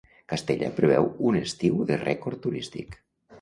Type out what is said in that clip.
Castella preveu un estiu de rècord turístic.